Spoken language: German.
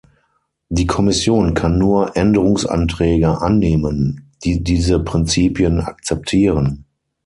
Die Kommission kann nur Änderungsanträge annehmen, die diese Prinzipien akzeptieren.